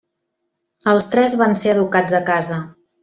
Els tres van ser educats a casa.